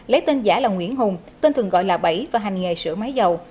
lấy tên giả là nguyễn hùng tên thường gọi là bảy và hành nghề sửa máy dầu